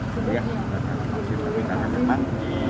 ya bukan karena vaksin tapi karena memang